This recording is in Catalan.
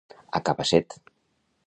A cabasset.